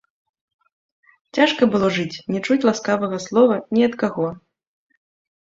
Цяжка было жыць, не чуць ласкавага слова ні ад каго.